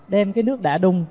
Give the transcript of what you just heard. đem cái nước đã đun